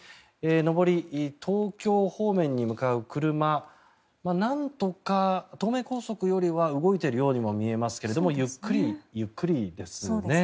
上り、東京方面に向かう車なんとか東名高速よりは動いているようにも見えますがゆっくりですね。